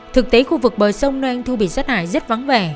thực tế khu vực bờ sông nơi anh thu bị sát hại rất vắng vẻ